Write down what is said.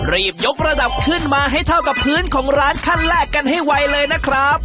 รีบยกระดับขึ้นมาให้เท่ากับพื้นของร้านขั้นแรกกันให้ไวเลยนะครับ